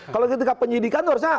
kalau di tindak penyidikan itu harusnya